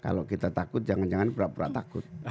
kalau kita takut jangan jangan pura pura takut